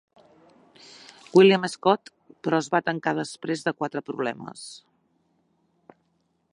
William Scott; però es va tancar després de quatre problemes.